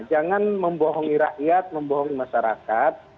jangan membohongi rakyat membohongi masyarakat